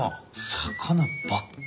魚ばっかり。